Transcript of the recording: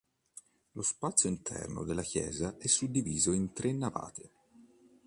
Lo spazio interno della chiesa è suddiviso in tre navate.